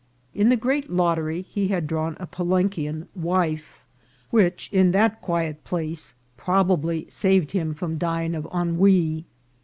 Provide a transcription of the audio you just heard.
In the great lottery he had drawn a Palenquian wife, which in that quiet place probably saved him from dying of ennui.